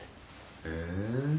へえ。